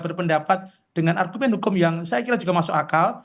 berpendapat dengan argumen hukum yang saya kira juga masuk akal